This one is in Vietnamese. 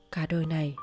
cả đời này